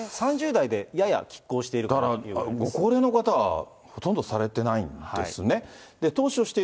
３０代でややきっ抗しているといだからご高齢の方は、ほとんどされてないんですね。